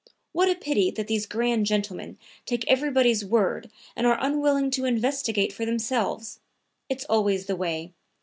What a pity that these grand gentlemen take everybody's word and are unwilling to investigate for themselves! It's always the way.